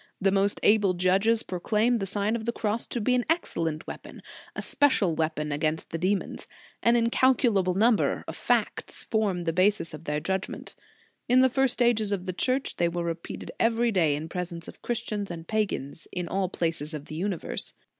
The most able judges proclaim the Sign of the Cross to be an excellent weapon, a special weapon against the demons. An incalculable number, of facts form the basis of their judg ment. In the first ages of the Church they were repeated every day in presence of Christians and pagans, in all places of the universe.